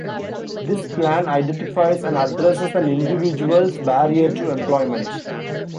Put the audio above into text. This Plan identifies and addresses an individual's barriers to employment.